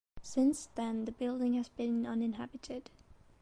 Since then the building has been uninhabited.